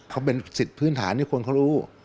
เขาเป็นสิทธิ์พื้นฐานที่คนเขารู้